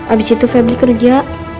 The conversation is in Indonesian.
abis itu febri kerja